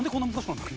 なんだ？